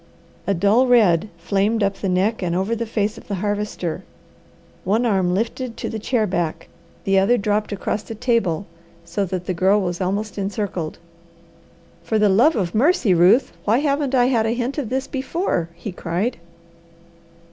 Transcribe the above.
A dull red flamed up the neck and over the face of the Harvester. One arm lifted to the chair back, the other dropped across the table so that the Girl was almost encircled. "For the love of mercy, Ruth, why haven't I had a hint of this before?" he cried.